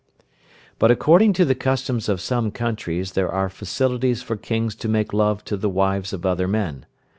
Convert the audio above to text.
But according to the customs of some countries there are facilities for Kings to make love to the wives of other men.